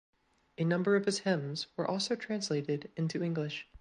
A number of his hymns were also translated into English.